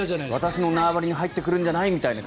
私の縄張りに入ってくるんじゃないみたいに。